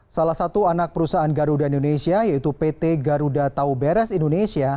salah satu anak perusahaan garuda indonesia yaitu pt garuda tauberes indonesia